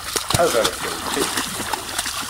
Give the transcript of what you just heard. Ḥader kan, ttxil-k.